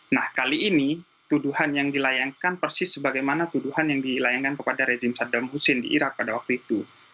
nah kali ini tuduhan yang dilayangkan persis sebagaimana tuduhan yang dilayangkan kepada rejim sabdam husin di irak pada waktu itu